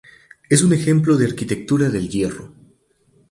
Es un ejemplo de arquitectura del hierro.